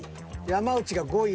山内５位。